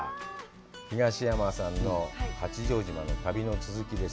東山さんの八丈島の旅の続きです。